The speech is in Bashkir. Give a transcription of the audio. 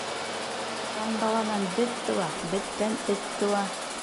Ҡандаланан бет тыуа, беттән эт тыуа.